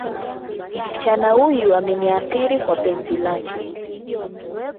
msichana huyu ameniathiri kwa penzi lake.